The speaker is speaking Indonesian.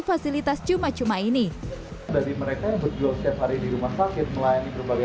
fasilitas cuma cuma ini dari mereka berjuang setiap hari di rumah sakit melayani berbagai